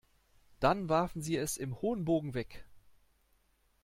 Dann warfen sie es im hohen Bogen weg.